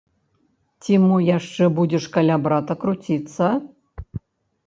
Ці мо яшчэ будзеш каля брата круціцца?